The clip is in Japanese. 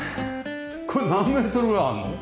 これ何メートルぐらいあるの？